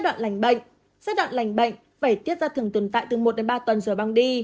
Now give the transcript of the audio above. đoạn lành bệnh giai đoạn lành bệnh vẩy tiết ra thường tồn tại từ một đến ba tuần rồi băng đi